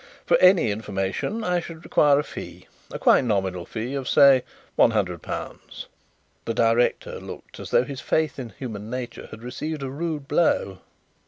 For any information I should require a fee, a quite nominal fee of, say, one hundred pounds." The director looked as though his faith in human nature had received a rude blow.